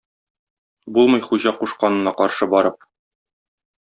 Булмый хуҗа кушканына каршы барып.